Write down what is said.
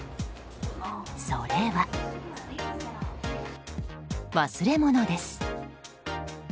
それは、忘れ物です。